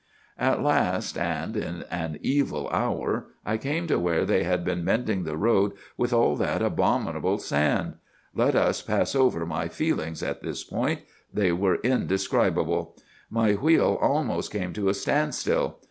"'At last, and in an evil hour, I came to where they had been mending the road with all that abominable sand. Let us pass over my feelings at this spot. They were indescribable. My wheel almost came to a standstill.